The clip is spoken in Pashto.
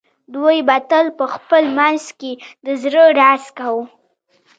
دوی به تل په خپل منځ کې د زړه راز کاوه